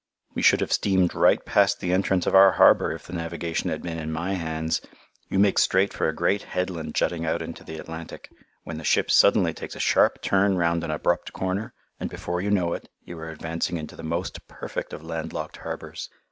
We should have steamed right past the entrance of our harbour if the navigation had been in my hands. You make straight for a great headland jutting out into the Atlantic, when the ship suddenly takes a sharp turn round an abrupt corner, and before you know it, you are advancing into the most perfect of landlocked harbours.